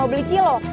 mau beli cilok